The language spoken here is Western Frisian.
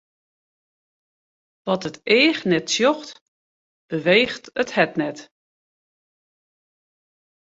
Wat it each net sjocht, beweecht it hert net.